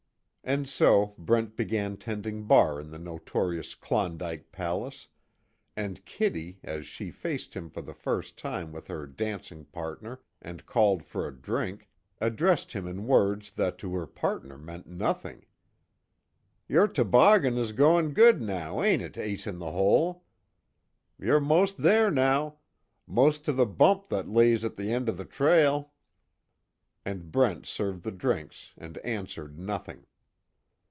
And so Brent began tending bar in the notorious "Klondike Palace," and Kitty, as she faced him for the first time with her dancing partner and called for a drink, addressed him in words that to her partner meant nothing: "Your toboggan is going good, now ain't it, Ace In The Hole? You're most there, now most to the bump that lays at the end of the trail." And Brent served the drinks, and answered nothing.